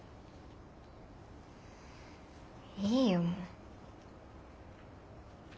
いいよもう。